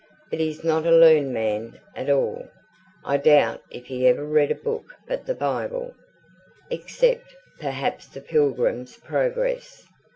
But he's not a learned man at all. I doubt if he ever read a book but the Bible, except perhaps the Pilgrim's Progress.